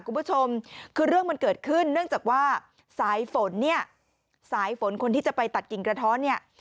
คุณผู้ชมคือเรื่องมันเกิดขึ้นเนื่องจากว่าสายฝนเนี่ยสายฝนคนที่จะไปตัดกิ่งกระท้อนเนี่ย